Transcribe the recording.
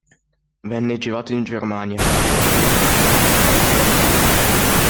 Venne girato in Germania, a Berlino e nella Foresta della Sprea.